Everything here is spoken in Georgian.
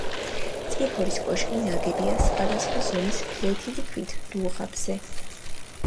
წიფორის კოშკი ნაგებია სხვადასხვა ზომის ფლეთილი ქვით, დუღაბზე.